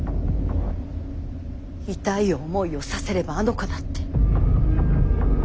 痛い思いをさせればあの子だって。